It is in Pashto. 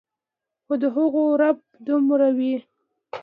خو د هغو رعب دومره وي